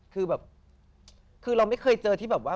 คือแบบคือเราไม่เคยเจอที่แบบว่า